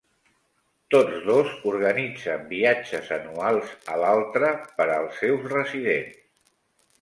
Tots dos organitzen viatges anuals a l'altre per als seus residents.